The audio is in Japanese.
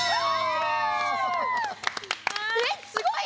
えっすごいよ！